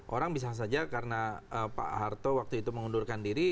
orang bisa saja karena pak harto waktu itu mengundurkan diri